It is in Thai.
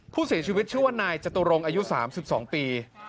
ผู้เสียชีวิตชื่อว่านายจตุรงอายุ๓๒ปี